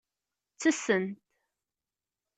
Ttessent.